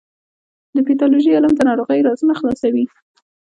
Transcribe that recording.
د پیتالوژي علم د ناروغیو رازونه خلاصوي.